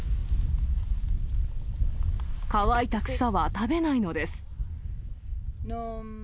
乾いた草は食べないのです。